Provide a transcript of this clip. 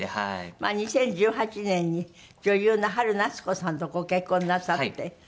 まあ２０１８年に女優の永夏子さんとご結婚なさって親になって。